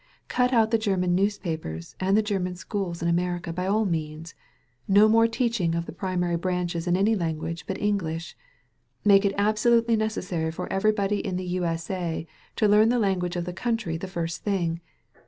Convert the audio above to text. Cut out the German newspapers and the German schools in America by all means ! No more teaching of the primary branches in any language but English! Make it absolutely necessary for everybody in the U. S. A. to learn the language of the country the first thing.